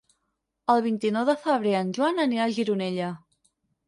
El vint-i-nou de febrer en Joan anirà a Gironella.